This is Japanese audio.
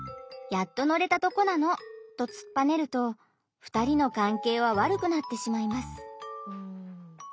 やっと乗れたとこなの！」とつっぱねると２人の関係は悪くなってしまいます。